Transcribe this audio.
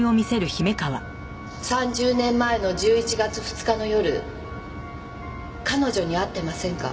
３０年前の１１月２日の夜彼女に会ってませんか？